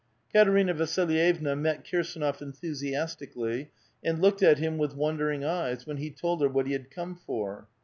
Katerina Vasilyevna met Kirsdnof enthusiastically, and looked at him with wondering eyes, when he told her what he had come for.